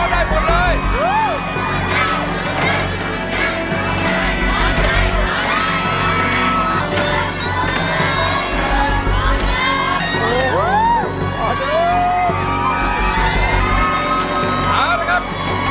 ลองผิดครับ